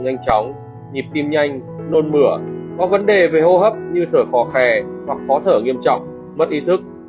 nhiệm nhanh chóng nhịp tim nhanh nôn mửa có vấn đề về hô hấp như thở khó kè hoặc khó thở nghiêm trọng mất ý thức